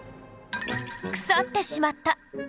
腐ってしまった！